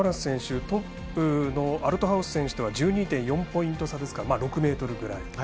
トップのアルトハウス選手とは１２．４ポイント差ですから６ｍぐらい。